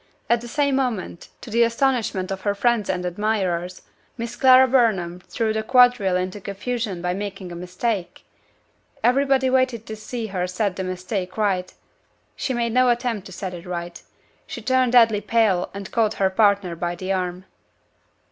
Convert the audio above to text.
At the same moment to the astonishment of her friends and admirers Miss Clara Burnham threw the quadrille into confusion by making a mistake! Everybody waited to see her set the mistake right. She made no attempt to set it right she turned deadly pale and caught her partner by the arm.